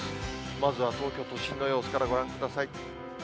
まずは東京都心の様子からご覧ください。